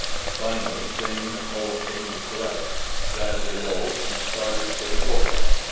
Finally, seeing that no one came to collect, Bradley arose and started for the doorway.